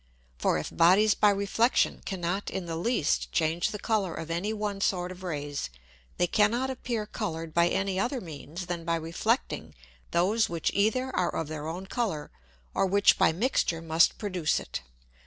For if Bodies by Reflexion cannot in the least change the Colour of any one sort of Rays, they cannot appear colour'd by any other means than by reflecting those which either are of their own Colour, or which by mixture must produce it.